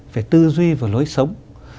về tư duy và lối sống